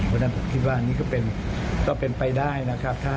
เพราะฉะนั้นผมคิดว่านี่ก็เป็นไปได้นะครับ